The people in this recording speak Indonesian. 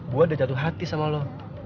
gue udah jatuh hati sama lo